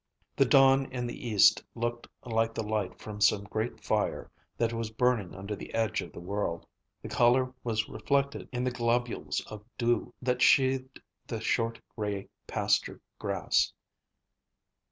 The dawn in the east looked like the light from some great fire that was burning under the edge of the world. The color was reflected in the globules of dew that sheathed the short gray pasture grass.